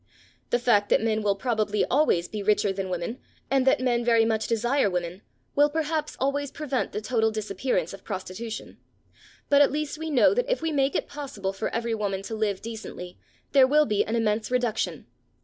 The fact that men will probably always be richer than women, and that men very much desire women, will perhaps always prevent the total disappearance of prostitution, but at least we know that if we make it possible for every woman to live decently, there will be an immense reduction.